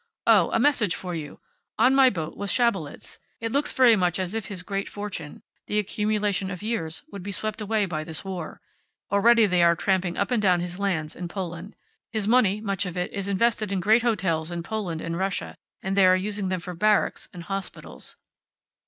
"Oh, a message for you. On my boat was Schabelitz. It looks very much as if his great fortune, the accumulation of years, would be swept away by this war. Already they are tramping up and down his lands in Poland. His money much of it is invested in great hotels in Poland and Russia, and they are using them for barracks and hospitals."